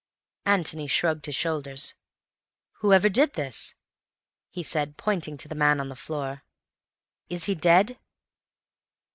Antony shrugged his shoulders. "Whoever did this," he said, pointing to the man on the floor. "Is he dead?"